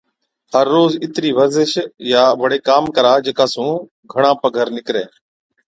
هر روز اِترِي ورزش يان بڙي ڪام ڪرا جڪا سُون گھڻا پگھر نِڪرَي۔